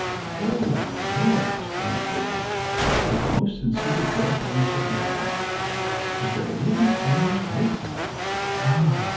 "Oh! my lord," exclaimed Jacob, with the most sincere joyfulness of manner, "is there really so much hope? Ah!